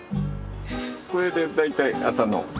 これで大体朝の？